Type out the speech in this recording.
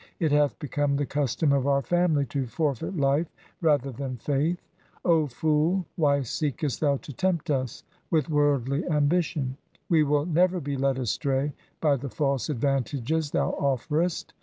It hath become the custom of our family to forfeit life rather than faith. O fool, why seekest thou to tempt us with worldly ambition i We will never be led astray by the false advantages thou offerest.